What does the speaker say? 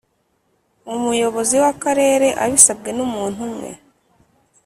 umuyobozi w akarere abisabwe n umuntu umwe